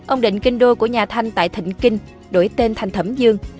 ông định kinh đô của nhà thanh tại thịnh kinh đổi tên thành thẩm dương